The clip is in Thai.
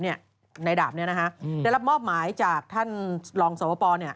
นายด่ามนี่นะคะได้รับมอบหมายจากท่านรองสวป